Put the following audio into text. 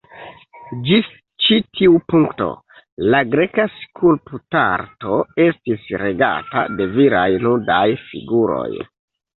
Ĝis ĉi tiu punkto, la greka skulptarto estis regata de viraj nudaj figuroj.